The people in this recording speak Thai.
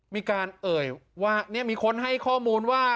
มีการเอ่ยว่ามีคนให้ข้อมูลว่า